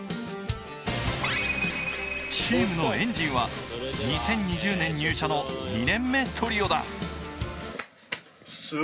チームのエンジンは２０２０年入社の２年目トリオだ。